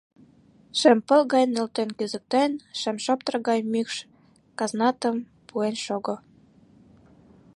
Шем пыл гай нӧлтен кӱзыктен, шем шоптыр гай мӱкш казнатым пуэн шого!